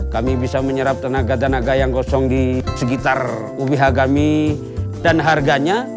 kami bisa menyerap tenaga tenaga yang kosong di sekitar ubh kami dan harganya